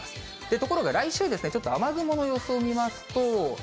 ところが来週、ちょっと雨雲の予想を見ますと。